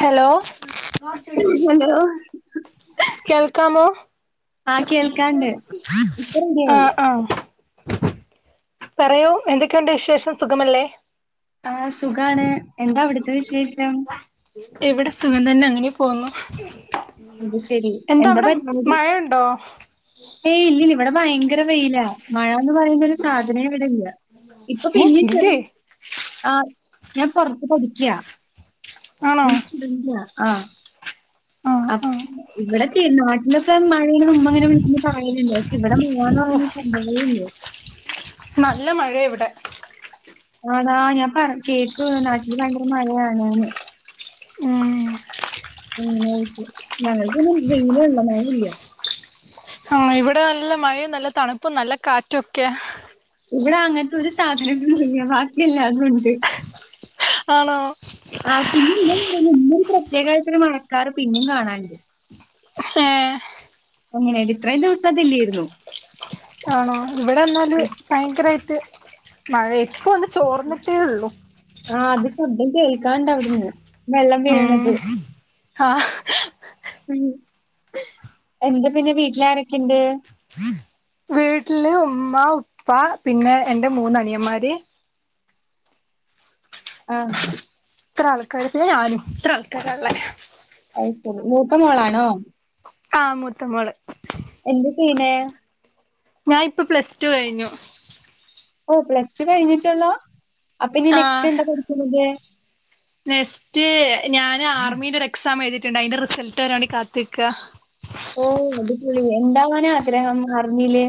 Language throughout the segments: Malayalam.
ഹലോ ഹലോ കേൾക്കാമോ? ആഹ് കേൾക്ക ആഹ് ആഹ് പറയൂ എന്തൊക്കെയുണ്ട് വിശേഷം സുഖമല്ലേ? ആഹ് സുഖാണ് എന്താവിടുത്തെ വിശേഷം? എവിടെ സുഖം തന്നെ അങ്ങനെ പോന്നു. അത് ശരി എന്താ അവിടെ പരിപാടി മഴയുണ്ടോ? ഏയ് ഇല്ലില്ല ഇവിടെ ഭയങ്കര വെയിലാ. മഴന്ന് പറയുന്ന ഒരു സാധനയ ഇവിടെ ഇല്ല ഇപ്പൊ ഏ പിന്നെ ചെറ ഇല്ലേ ആഹ് ഞാൻ പുറത്ത് പഠിക്കയാ ആണോ ഞാൻ ആഹ് ആഹ് അപ്പ ആഹ് ഇവിടെത്തെ നാട്ടിലൊക്കെ മഴയയുടെ മുമ്മഹന വീട്ടന്ന് പറയലില്ല പക്ഷെ ഇവിടെ മഴയന്ന് പറഞ്ഞ ഓഹ് സംഭവമല്ലോ നല്ല മഴയ ഇവിടെ ആണാ ഞാൻ പറ കേട്ടു നാട്ടിൽ ഭയങ്കര മഴയാണന്ന് മം ഉം ഓക്ക് ഞൾ ക്കൊന്നും വെയ്‌ലാള്ളെ മഴ ഇല്ല ആഹ് ഇവിടെ നല്ല മഴയും നല്ല തണുപ്പും നല്ല കാറ്റും ഒക്കെയാ ഇവിടെ അങ്ങനത്തെ ഒരു സാധനൊ ഇല്ല ബാക്കില്ലാതുണ്ട് ആണോ ആഹ് പിന്നെ ഇന്നും ഇന്നും പ്രത്യേകമായിട്ടരു മഴക്കാർ പിന്നും കാണാനുണ്ട് ശ്ലെ എങ്ങനെയണ്ട് ഇത്രയും ദിവസത്തെ ഇല്ലായിരുന്നു ആണോ ഇവിടെന്നാല് ഭയങ്കരമായിട്ട് മഴ ഇപ്പ വന്ന് ചോർന്നിട്ടേ ഉള്ളു ആഹ് അത് ശബ്ദം കേൾക്കാണ്ട് അവിടുന്ന് വെള്ളം ഉം വീണത് ആഹ് ഉം എന്താ പിന്നെ വീട്ടില ആരൊക്കെണ്ട് വീട്ടില് ഉമ്മ ഉപ്പ പിന്നെ എന്റെ മൂന്ന് അനിയന്മാര് ആ ഇത്ര ആൾക്കർ പിന്നെ ഞാനും ഇത്ര ആൾക്കാരാ ള്ളെ അത് ശരി മൂത്ത മോളാണോ ആഹ് മൂത്തമോള് എന്ത് ചെയ്യണേ ഞാൻ ഇപ്പ പ്ലസ് ടു കഴിഞ്ഞു ഓഹ് പ്ലസ് ടു കഴിഞ്ഞിട്ടല്ലോ അപ്പൊ ഇനി ആഹ് നെക്സ്റ്റ് എന്താ പഠിക്കുന്നത് നെക്സ്റ്റ് ഞാന് ആർമിന്റെ ഒരു എക്സാം എഴുതിയിട്ടുണ്ട് അതിന്റെ റിസൾട്ട് വരാൻ വേണ്ടി കാത്തിരിക്കുവ ഓഹ് അത്പൊളി എന്താവനാ ആഗ്രഹം ആർമിയില്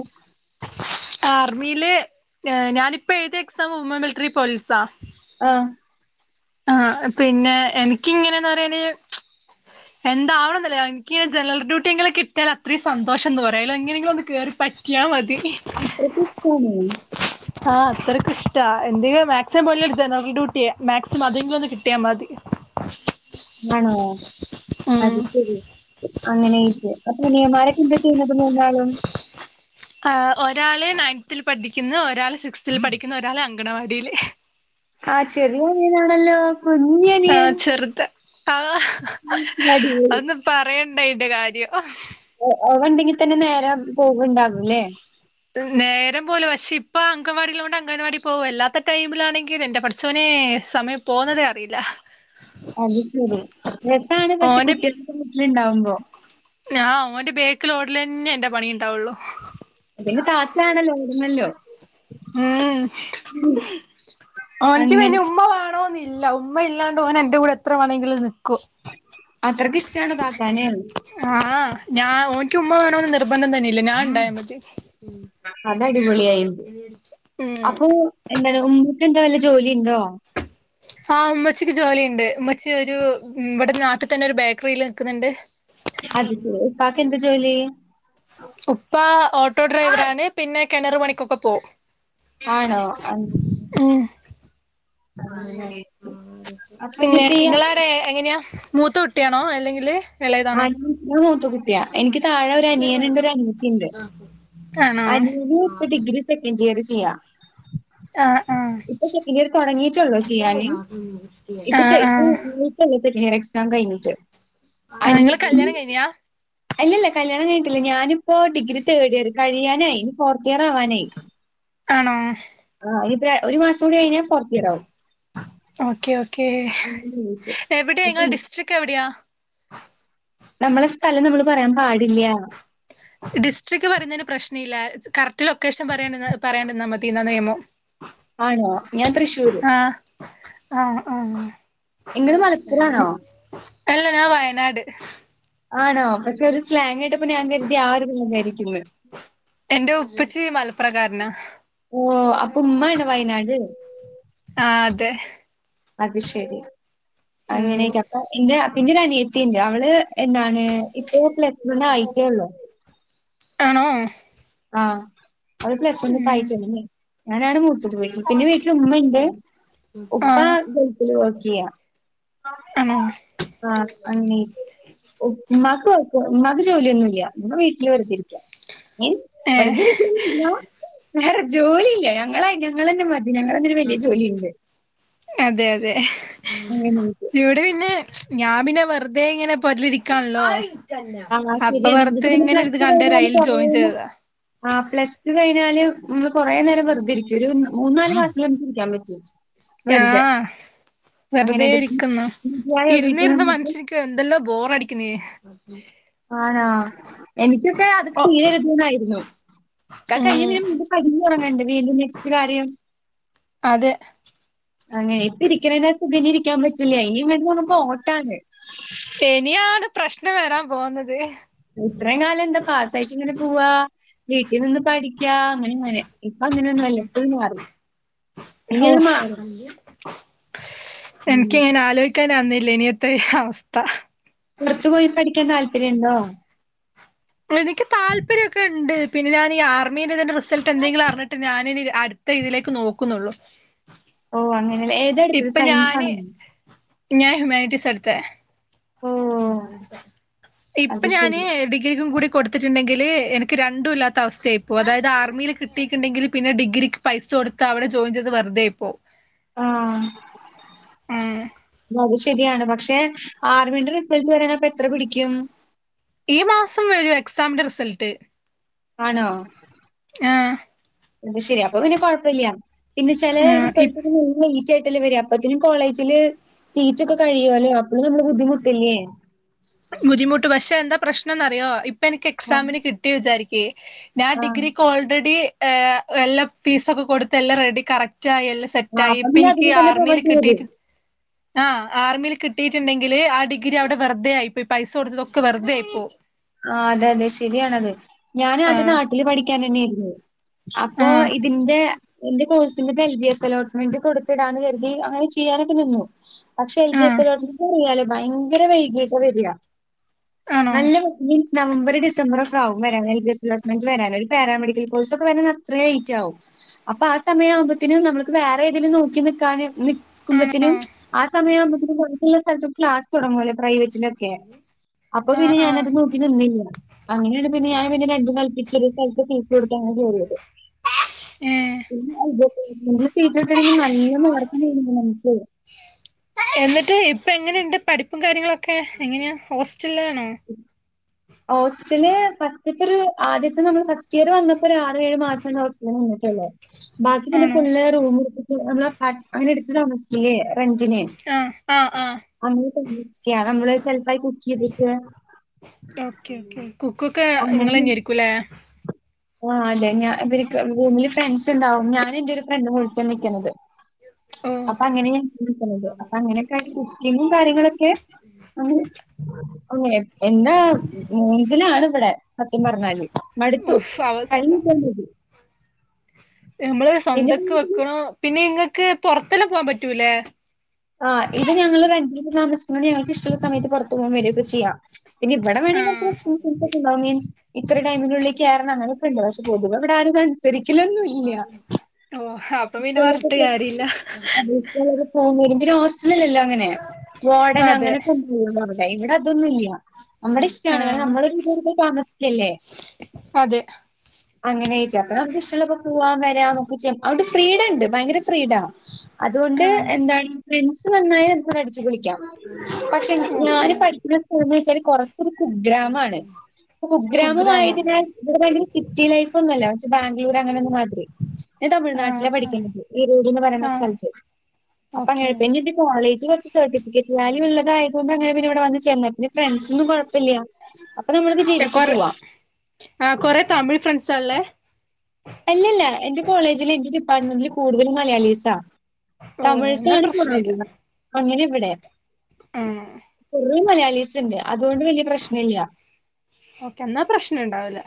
ആർമിയില് ഞാനിപ്പോ എഴുതിയ എക്സാം വുമൺ മിലിറ്ററി പോലീസാ ആഹ് ആഹ് പിന്നെ എനിക്കിങ്ങനെന്ന് പറയാന് എന്താവണെന്നല്ലേ എനിക്ക് ജനറൽ ഡ്യൂട്ടി എങ്ങനെ കിട്ടിയൽ അത്രയും സന്തോഷം എന്ന് പറാലോ എങ്ങനെങ്കിലും ഒന്ന് കയറി കിട്ടിയാ മതി അത്രക്ക്ഷ്ടാണോ? ആഹ് അത്രയ്ക്കുഷ്ട്ടാ എന്തെ മാക്സിമം പോയാ ജനറൽ ഡ്യൂട്ടിയ മാക് അതെങ്കിലൊന്ന് കിട്ടിയാ മതി ആണോ? ഉം അത് ശരി അങ്ങനെക്കെ അപ്പൊ അനിയമാരൊക്കെന്താ ചെയ്യുന്നത് മൂന്നാളും? ആ ഒരാള് നയൻത്തില് പഠിക്ക്ന്ന് ഒരാള് സിക്സ്ത്തിൽ പഠിക്കുന്ന് ഒരാള് അങ്കണവാടിയില് ആ ചെറിയനിയണാണല്ലോ കുഞ്ഞനി ആഹ് ചെറുത ആഹ് ഒന്ന് പറയണ്ടായിന്റെ കാര്യം അവണ്ടെങ്കി തന്നെ നേരേ പോവ്ണ്ടാവല്ലേ? നേരം പോവൂല്ല പക്ഷെയിപ്പൊ അംഗവാടിയിള്ളോണ്ട് അങ്കൻവാടി പോകും അല്ലാത്ത ടൈമിലാണെങ്കിയെന്റെ പടച്ചോ നേ സമയം പോകുന്നതറിയൂല്ല അത് ശരി രസാണ് പക്ഷെ കുട്ടിയളക്കെ വീട്ടില്ണ്ടാവുമ്പോ ങ്ങാ ഓന്റെ ബേക്കിലോടലന്നെ എൻ്റെ പണിയ്ണ്ടാവൊള്ളു അത് പിന്നെ താത്താണല്ലോ ഓടണല്ലോ ഉം ഓൻക്ക് അങ്ങനെ പിന്നെ ഉമ്മ വാണോന്നി ല്ല ഉമ്മയില്ലാണ്ട് ഓനെന്റെ കൂടെയെത്ര വാണെങ്കിലും നിക്കും അത്രയ്ക്കിഷ്ട്ടാണോ താത്താനെ? ആഹ് ഞാ ഓനിക്ക് ഉമ്മ വേണോന്ന് നിർബന്ധം തന്നെയില്ല ഞാണ്ടായമതി അതടിപൊളിയായിണ്ട് ഉം അപ്പൊ എന്താണ് ഉമ്മക്കെന്താ വല്ല ജോലിയ്ണ്ടോ? ആഹ് ഉമ്മച്ചിക്ക് ജോലിയ്ണ്ട് ഉമ്മച്ചിയൊരു ഇവിടെ നാട്ടി തന്നൊരു ബേക്കറിയില് നിക്ക്ന്ന്ണ്ട്. അത് ശെരി ഉപ്പാക്കെന്താ ജോലി? ഉപ്പ ഓട്ടോ ഡ്രൈവറാണ് പിന്നെ കെണറ് പണിക്കൊക്കെ പോവും. ആണോ അഹ് ഉം അപ്പൊ പിന്നെ ഇനിയിപ്പ ഈ ഇങ്ങളാടെയെങ്ങനെയാ? മൂത്ത കുട്ടിയാണോ അല്ലെങ്കില് എളയതാണോ ആടീ ഞാ മൂത്ത കുട്ടിയ എനിക്ക് താഴൊരു അനിയനുണ്ട് ഒരു അനിയത്തിയുണ്ട്. ആണോ അനിയന് ഇപ്പ ഡിഗ്രി സെക്കൻഡിയറ് ചെയ്യാ. ആഹ് ആഹ് ഇപ്പം സെക്കഡിയറ് തൊടങ്ങീട്ടൊള്ളു ചെയ്യാന് ഇപ്പ ആഹ് ചെയ്തു ആഹ് സെക്കഡിയറെക്സാം കയ്ഞ്ഞിട്ട്. ആഹ് ഇങ്ങള് കല്യാണം കൈഞ്ഞ്യാ? അല്ലല്ല കല്യാണം കയ്ഞ്ഞ്ട്ടില്ല ഞാനിപ്പോ ഡിഗ്രി തേർഡിയർ കഴിയാനായി ഇനി ഫോർത്തിയറാവാനായി. ആണോ? ആ ഇത്പ്പെ ഒരു മാസം കൂടി കഴിഞ്ഞാ ഫോർത്തിയറാവും. ഓക്കെയോക്കേ അങ്ങനെ വിളിച്ചേ. എവിടെയാ അപ്പം ഇങ്ങളെ ഡിസ്ട്രിക് എവിടെയാ? നമ്മളെ സ്ഥലം നമ്മള് പറയാം പാടില്ല്യ ഡിസ്ട്രിക്ട് പറയുന്നതിന് പ്രശ്നയില്ല കറക്റ്റ് ലൊക്കേഷൻ പറിയാണ്ട് ന്നാ പറയാണ്ട്ന്നാ മതീന്ന നിയമം. [inaudible] ആണോ ഞാൻ തൃശ്ശൂര്. ആഹ് ആഹ് ആഹ്. നിങ്ങള് മലപ്പുറാണോ അല്ല ഞാൻ വയനാട്. ആണോ പക്ഷെ ഒരു സ്ലാങ്ങ് കേട്ടപ്പ ഞാൻ കരുതി ആ ഒരും കണ്ണൂക്കാരിയായിരിക്കുന്ന്. എന്റെ ഉപ്പച്ചി മലപ്രകാരനാ. ഓ അപ്പ ഉമ്മാണോ വയനാട്? ആഹ് അതെ. അത് ശെരി അങ്ങനെ ഉം ചപ്പാ എന്റെ പിന്നൊരു അനിയത്തിണ്ട് അവള് എന്താണ് ഇപ്പോ പ്ലസ് വൺ ആയിട്ടെള്ളു. ആണോ? ആഹ് അവള് പ്ലസ് വൺ ഉം ഇപ്പായിറ്റൊള്ളു ഞാനാണ് മൂത്തത് പോയിട്ടി. പിന്നെ വീട്ടില് ഉമ്മണ്ട് ഉപ്പ ആഹ് ഗൾഫില് വർക്കെയ്യാ. ആണോ? ആഹ് അങ്ങനെയായിട്ട് ഉമ്മാക്ക് വർക്ക് ഉമ്മാക്ക് ജോലിയൊന്നുല്ല ഉമ്മ വീട്ടില് വെറുതിരിക്ക. ഏഹ് ഏഹ് വെറുതിരിക്ക ഉമ്മ വേറെ ജോലിയില്ല ഞങ്ങള ഞങ്ങളെന്നെ മതി. ഞങ്ങളെ തന്നെ ഒരു വലിയ ജോലിയുണ്ട് അതെ അതെ അങ്ങനെയായിട്ട് ഇവിടെ പിന്നെ. ഞാൻ പിന്നെ വെറുതെ ഇങ്ങനെ പൊര്ലിരിക്കാണ്ല്ലോ. ആ [unintelligible] അപ്പൊ ശരിയാണ് നിങ്ങൾക്ക് വെറുതെ ഇങ്ങനെ ഒര്ത് കണ്ടേരം അയ്ൽ ജോയിൻ ചെയ്തതാ. ആഹ് പ്ലസ് ടു കഴിഞ്ഞാല് ഇമ്മള് കൊറേ നേരം വെറുതെ ഇരിക്കും ഒരു. മൂന്നാല് മാസത്തില് [unintelligible] ഇരിക്കാൻ [unintelligible] വെറുതെ ആഹ് വെറുതേ അങ്ങനെയായിട്ട് ഇരിക്കുന്നു മതിയായോ വീട്ടിൽ ഇരുന്നിരുന്ന് നിന്ന് മനുഷ്യൻ. ക്കെന്തല്ലാ ബോറടിക്കുന്നെ. ആണോ എനിക്കൊക്കെ അതൊക്കെ ഓ [unintelligible] ന്നായിരുന്നു. ഒക്കെ കഴിഞ്ഞ് ഉം പിന്നെ വീണ്ടും പടിഞ്ഞുറങ്ങേണ്ട വീണ്ടും നെക്സ്റ്റ് കാര്യം. അതെ. അങ്ങനെ ഇപ്പ ഇരിക്ക്ണെകാട്ടി തിന് ഇരിക്കാൻ പറ്റില്ല ഇനി [unintelligible] ഓട്ടാണ്. ശനിയാണ് പ്രശ്നം വരാൻ പോകുന്നത്. ഇത്രയും കാലം എന്താ പാസായിട്ട് ഇങ്ങനെ പോവാ വീട്ടി നിന്ന് പടി ക്കാ അങ്ങനെങ്ങനെ ഇപ്പ അങ്ങനെൊന്നുംല്ല ഫുൾ മാറി. ഇനി അത് ഔഫ്. മാറും. ഉം. ക്കനന്നില്ല ഇനിയത്തെ അവസ്ഥ പുറത്തു പോയി പഠിക്കാൻ താല്പര്യണ്ടോ എനിക്ക് താപര്യക്കെണ്ട് പിന്നെ ഞാന് ഈ ആർമിന്റെതിന്റെ റിസൽട്ട് എന്തെങ്കിലുഅറിഞ്ഞിട്ട് ഞാനൻ ഇനി അ ഇപ്പ ഇതിലേക്ക് നോക്കുന്നുള്ളൂ ഓഹ് അങ്ങനെല്ലേ ഏതാടുത്തത് ഇപ്പൊ ഞാന് സൈൻസാണോ ഞാൻ ഹ്യൂമാനിറ്റിസാടുതെ ഓ അത് ഇപ്പ ഞാന് ശരി. ഡിഗ്രിക്കും കൂടി കൊടുത്തിട്ടുണ്ടെങ്കില് എനിക്ക് രണ്ടും ഇല്ലാത്ത അവസ്ഥയായി ഇപ്പോവും അതായത് ആർമിയിൽ കിട്ടിയിട്ടുണ്ടെങ്കില് പിന്നെ ഡിഗ്രിക്ക് പൈസ കൊടുത്താ അവിടെ ജോയിൻ ചെയ്തെ വെറുതായിപ്പോവും ആഹ് ഉം അത് ശരിയാണ് പക്ഷേ ആർമീന്റെ റിപ്ലൈ വരാന് അപ്പ എത്ര പിടിക്കും ഈ മാസം വരും എക്സാമിന്റെ റിസൾട്ട് ആണോ ആഹ് അത് ശരി അപ്പൊ പിന്നെ കൊഴ്പ്പല്ല്യ പിന്നെ ചെലേ ആഹ് ഇ റിസൾട്ട്മുന്നേ ഈച്ച ആയിട്ടല്ല വരാ അതിന് കോളേജില് സീറ്റ് ഒക്കെ കഴിയുല്ലേ അപ്പോഴും നമ്മള് ബുദ്ധിമുട്ടില്ലേ ബുദ്ധിമുട്ട് പക്ഷേ എന്താ പ്രശ്നംന്നറിയോ ഇപ്പൊ എനിക്ക് ആഹ് എക്സാമിന് കിട്ടി വിചാരിക്ക് ഞാൻ ആഹ് ഡിഗ്രിക്ക് ഓൾറെടി ഏഹ് എല്ലാ ഫീസൊക്കെ കൊടുത്ത് എല്ലാം റെഡി കറക്റ്റായി എല്ലാം ആഹ് സെറ്റായി അപ്പൊ ഇപ്പ നീ എനിക്ക് അതിന് തന്നെ ആർമിയിൽ പോവണ്ടി കിട്ടിട്ട് ആഹ് ആർമിയിൽ കിട്ടിട്ടുണ്ടങ്കില് ആ ഡിഗ്രി അവിടെ വെറുത ആയിപ്പോയി പൈസ കൊടുത്തതൊക്കെ വെറുതെ ആയിപ്പോവും ആഹ് അതെ അതെ ശരിയാണത് ഞാൻ ആദ്യം ആഹ് നാട്ടില് പഠിക്കാൻ തന്നായിരുന്നു അപ്പൊ ആഹ് ഇതിന്റെ എന്റെ കോഴ്സിന്റെ എൽ ബി എസ് അലോട്ട്മെന്റ് കൊടുത്തിടാന്ന് കരുതി അങ്ങനെ ചെയ്യാനൊക്കെ നിന്നു പക്ഷെ എൽ ബി എസ് ആഹ് അലോട്ട്മെന്റ് അറിയാലോ ഭയങ്കര വൈകിട്ടാ വരിക ആണോ നല്ല മീൻസ് നവംബർ ഡിസംബർ ഒക്കാവും വരാൻ L B S allotment വരാൻ ഒരു പാരാമെഡിക്കൽ കോഴ്സ് ഒക്കെ വര അത്ര ലേറ്റ് ആകും അപ്പൊ ആ സമയ ആവുമ്പത്തനും നമ്മക്ക് വേറെ ഏതിലും നോക്കി നിക്കാന് ആണോ നിൽക്കുമ്പത്തിനും ആ സമയ ആവുമ്പോത്തിനും കുറേ സ്ഥലത്തും ക്ലാസ് തുടങ്ങല്ലെ പ്രൈവറ്റ് ത്തിലൊക്കെ അപ്പൊ ആഹ് പിന്നെ ആഹ് ഞാനത് നോക്കി നിന്നില്ല അങ്ങനെയാണ് പിന്നെ ഞൻ പിന്നെ രണ്ടും കൽ പിച്ചൊരു ഒരു സ്ഥലത്ത് ഫീസ് കൊടുത്താണ് ഞാൻ കേറിയത് ഏഹ് എയ്ഡഡ് സീറ്റ്ട്ടണെങ്കിൽ നല്ല മാർക് വേണം നമുക്ക് എന്നിട്ട് ഇപ്പ എങ്ങനെയുണ്ട് പഠിപ്പും കാര്യങ്ങളൊക്കെ എങ്ങനെയാ ഹോസ്റ്റലിലാണോ ഉം ഹോസ്റ്റില് ഫസ്റ്റത്തൊരു ആദ്യത്തെ നമ്മൾ ഫസ്റ്റ് ഇയർ വന്നപ്പോ ഒരു ആറ് ഏഴ് മാസം ഹോസ് ലിൽ നിന്നിട്ടുള്ളു ബാക്കി പിന്നെ ആണോ ഫുള്ള് റൂമ് എടുതിട്ട് നമ്മള അങ്ങനെ എടുത് താമസി ആഹ് ആഹ് ആഹ് അങ്ങനെ കഞ്ഞികുടിക്ക അത് നമ്മള് സെൽഫായി കുക്ക് ചെയ്തിട്ട് ഓക്കെ ഓക്കേ ഒക്കെ കുക്കൊക്കെ നിങ്ങളന്നെ ആയിരിക്കുല്ലേ ആഹ് അതെ ഞാ ഇവരക് റുമില് ഫ്രണ്ട്സ്ണ്ടാവും ഞാൻ എന്റെ ഒരു ഫ്രണ്ട് വിളിച്ചൽ നിൽക്കുന്നത് ഓഹ് അപ്പൊ അങ്ങനെ നീക്കുന്നത് അപ്പൊ അങ്ങനെയൊക്കെ ആയിട്ട് കുക്കിങ്ങും കാര്യങ്ങളൊക്കെ എന്താ മൂഞ്ചലാണ് ഇവടെ സത്യം പറഞ്ഞാല് മടുത്തു ഓഫ് അവസ്ഥ കഴിഞ്ഞ് കിട്ടിയാൽ മതി. നമ്മള് സ്വന്തക്ക് വെക്കണോ പിന്നെ ഇങ്ങക്ക് പുറത്തെല്ലാം പോകാൻ പറ്റൂലെ ആഹ് ഇത് ഞങ്ങള് റെന്റിന് താമസിച്ച്കാണ്ട് ഞങ്ങൾക്ക് ഇഷ്ടമുള്ള സമയത്ത് പുറത്ത് പോക വരൊക്കെ ചെയ്യാം പിന്നെ ഇവിടെ വേണങ്കി കുറച്ച് ആഹ് റെസ്റ്റിംഗ്സ് ഉണ്ടാവുന്ന് ഞാൻ ചി ഇത്ര ടൈമിനുള്ളിൽ കേറണം അങ്ങനെയൊക്കെ ഉണ്ട് പക്ഷെ പൊതുവെ ഇവിടെ ആരും അനുസരിക്കലൊന്നും ഇല്ല ഓഹ് അപ്പൊ പിന്നെ ഇഷ്ടള്ളപ്പ പറഞ്ഞിട്ട് കേറാ കാര്യല്ല അത് ഇഷ്ടല്ലപ്പ പോവും വരും പിന്നെ ഹോസ്റ്റലില്ലാ അങ്ങനെ വാർഡൻ അതെ അങ്ങനെയൊക്കെ ഒന്നള്ളോ അവിടെ ഇവിടെ അതൊന്നും ഇല്ല നമ്മുടെ ഇഷ്ടാണ് കാരണം ആഹ് നമ്മളൊരു രുപ കൊടുത്ത് താമസിക്കല്ലേ അതെ അങ്ങനെ ആയിട്ട് അപ്പൊ നമുക്ക് ഇഷ്ടമള്ളപ്പ പോവാൻ വരാന്നൊക്കെ ചെയ്യാം അവിടെ ഫ്രീഡം ഉണ്ട് ഭയങ്കര ഫ്രീഡം അതുകൊണ്ട് ആഹ് എന്താണ് ഫ്രണ്ട്സ് നന്നായ അടിച്ച് പൊളിക്കാം പക്ഷെ ഓക്കെ ഞാന് പഠിക്കുന്ന സ്കൂള്ന്ന് വെച്ചാല് കുറ ച്ചൊരു കുഗ്രാമാണ് കുഗ്രാമ മായതിനാൽ കുഗ്രാമം ഇവിടെ ഭയങ്കര സിറ്റി ലൈഫ് ഒന്നുമല്ല ബാംഗ്ലൂർ അങ്ങനൊന്നുമാതിരി ഞാൻ ആഹ് തമിഴ്നാട്ടില ആഹ് പഠിക്കണത് ഈരോഡ് എന്ന് പറയുന്ന ആഹ് സ്ഥലത്ത് ഇപ്പങ്ങനെ ഓക്കെ പിന്നെ കോളേജിൽ കുറച്ച് സർട്ടിഫിക്കറ്റ് വാല്യൂ ഉള്ളതായി കൊണ്ടെ പിന്നെ ഇവിടെ വന്ന് ചേർന്ന് പിന്നെ ഫ്രണ്ട്സൊന്നും കുഴപ്പല്ല അപ്പൊ നമ്മൾക്ക് ജീവിച്ച് കൊറെ പോവാ ആഹ് കൊറെ തമിഴ് ഫ്രണ്ട്സാള്ളെ അല്ലല്ല എന്റെ കോളേജില് എന്റെ ഡിപ്പാർട്ട്മെന്റില് കൂടുതലും മലയാളീസാ ഓ എന്നാ തമിഴ്സാണ് പ്രശ്ന കൊറവ് ഇല്ല അങ്ങനെ ഇവിടെ ഉം കൊറേ മലയാളീസ്ണ്ട് അതുകൊണ്ട് വല്യ പ്രശ്നല്ല ഓക്കെ എന്നാ പ്രശ്നണ്ടാവൂല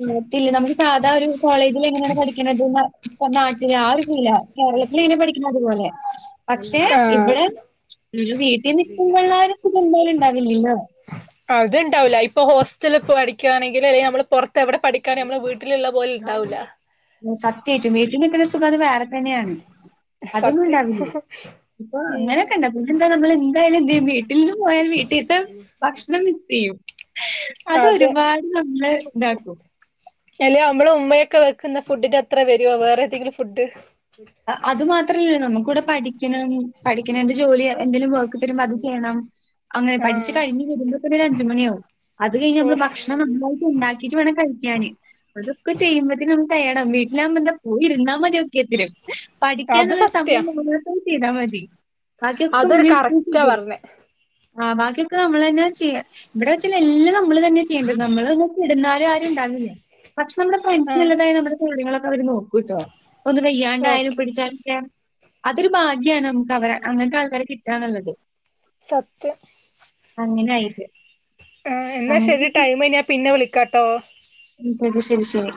ഇല്ല പിന്നെ നമ്മക്ക് സാധാ ഒരു കോളേജിൽ എങ്ങനെയാണ് പഠിക്കണതെന്ന് ഇപ്പൊ നാട്ടിലെ ആ ഒരു ഫീല കേരളത്തിലെങ്ങനെ പഠിക്കണ് അതുപോലെ പക്ഷെ ആഹ് ഇവിടെ ഒരു വീട്ടിൽ നിക്കുമ്പോള്ള ഒരു സുഖം എന്തായാലും ഉണ്ടാവില്ലല്ലോ അത്ണ്ടാവൂല ഇപ്പൊ ഹോസ്റ്റല് പഠിക്കയാണെങ്കിൽ അല്ലെങ്കി നമ്മള് പൊറത്ത് എവിടെ പഠിക്കാണെ ഞമ്മളെ വീട്ടില്ള്ള പോലെ ഇണ്ടാവൂല സത്യായിട്ടും വീട്ടിൽ നിക്ക്ണ സുഖം അത് വേറെ തന്നെയാണ് അതൊന്നും സത്യം ഇണ്ടാവില്ലെ ഇപ്പൊ ഉം അങ്ങനെയൊക്കെ ഇണ്ട എന്താ ഞമ്മൾ എന്തായാലും വീട്ടിൽന്ന് പോയാൽ വീട്ടിലത്തെ ഭക്ഷണം മിസ് ചെയ്യും അത് അതെ ഒരുപാട് നമ്മളെ ഇതാക്കും അല്ലേ അമ്മളെ ഉമ്മയൊക്കെ വെക്കുന്ന ഫുഡിന്റെ അത്ര വരുവോ വേറേതെങ്കിലും ഫുഡ് അത് മാത്രല്ല നമുക്കിവിടെ പഠിക്കണം പഠിക്കണേന്റെ ജോലി എന്തേലും വെ ർക്ക്തെരുമ്പ അതും ചെയ്യണം അങ്ങനെ പഠിച്ച് ആഹ് കഴിഞ്ഞ് വരുമ്പോതന്നെ ഒരു അഞ്ച് മണിയാവും അത് കഴിഞ്ഞ് ഓ ഞമ്മള് ഭക്ഷണം നമ്മ ഉണ്ടാക്കിറ്റ് വേണം കഴിക്കാന് അതൊക്കെ ചെയ്യുമ്പയത്തെക്ക് നമ്മക്ക് ട്ടയേർഡ് ആവും വീട്ടിലാകുമ്പ എന്താ പോയി ഇരുന്നാ മതി ഒക്കെത്തിനും അത് പഠിക്കാന്ന്ള്ളൊരു സത്യാ സമ്പവം മാത്രം ചെയ്താ മതി ബാക്കിയൊക്കെ അതൊരു ഉമ്മേം ഇപ്പേം കറക്റ്റാ ചെയ്‌തെരും പറഞ്ഞേ ആ ബാക്കിയൊക്കെ നമ്മളെന്നാ ചെയ്യാ ഇവിടെ വെച്ചാല് എല്ലാം ന മ്മള് തന്നെ ചെയ്യേണ്ടത് നമ്മള് ഒന്ന് കെടന്നാല് ആരുണ്ടാവില്ല പക്ഷെ നമ്മളെ ഫ്രണ്ട്‌സ് ആഹ് നല്ലതായ കാര്യങ്ങളൊക്കെ അവര് നോക്കൂട്ടോ ഒന്ന് വയ്യാണ്ടായാലും ഓക്കെ പിടിച്ചാനൊക്കെ അതൊരു ഭാഗ്യാണ് നമുക്ക് അവ അങ്ങൻത്തെ ആൾക്കാരെ കിട്ടാന്ന്ള്ളത് സത്യം അങ്ങനായിട്ട്. ആ എന്നാ ശരി അങ്ങനെ ടൈമ് ഞാൻ പിന്നെ വിളിക്കാട്ടോ ഉം ശരി ശരി ശരി